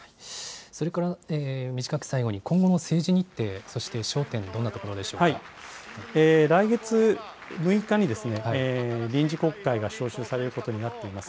それから、短く最後に、今後の政治日程、そして焦点、来月６日に、臨時国会が召集されることになっています。